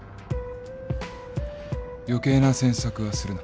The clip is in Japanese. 余計な詮索はするな。